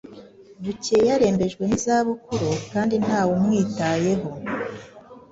bukeye arembejwe n’izabukuru, kandi ntawumwitayeho,